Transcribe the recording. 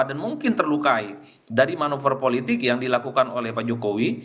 dan mungkin terlukai dari manuver politik yang dilakukan oleh pak jokowi